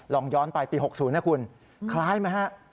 ลองย้อนไปปี๖๐นะคุณคล้ายไหมฮะ